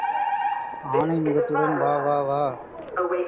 ஆனை முகத்துடன் வா வா வா.